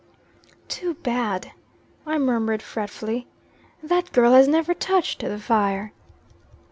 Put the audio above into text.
"Too bad!" I murmured fretfully, "that girl has never touched the fire."